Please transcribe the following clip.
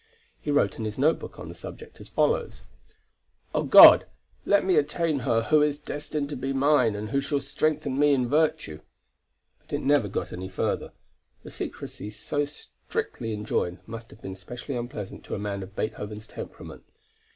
He wrote in his note book on the subject as follows: "Oh God! Let me attain her who is destined to be mine and who shall strengthen me in virtue." But it never got any further. The secrecy so strictly enjoined, must have been specially unpleasant to a man of Beethoven's temperament.